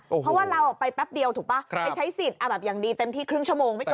เพราะว่าเราออกไปแป๊บเดียวถูกป่ะไปใช้สิทธิ์อย่างดีเต็มที่ครึ่งชั่วโมงไม่เจอ